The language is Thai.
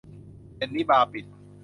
เย็นนี้บาร์ปิด